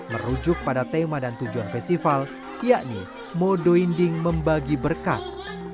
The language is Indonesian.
merujuk pada tema dan tujuan festival yakni modo inding membagi berkat